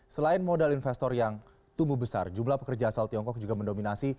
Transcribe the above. selain modal investor yang tumbuh besar jumlah pekerja asal tiongkok juga mendominasi